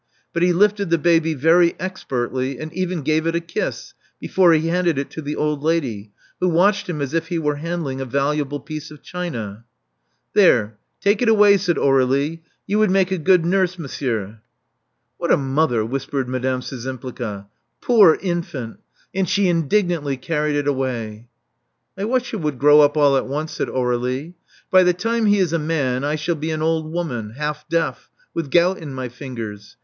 But he lifted the baby very expertly, and even gave it a kiss before he handed it to the old lady, who watched him as if he were hand ling a valuable piece of china. There. Take it away," said Aurdlie. "You would make a good nurse, monsieur." Love Among the Artists 401 What a mother!" whispered Madame SzczympHga. Poor infant! and she indignantly carried it away. I wish he would grow up all at once,'* said Aur61ie. '*By the time he is a man, I shall be an old woman, half deaf, with gout in my fingers.